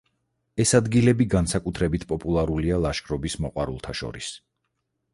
ეს ადგილები განსაკუთრებით პოპულარულია ლაშქრობის მოყვარულთა შორის.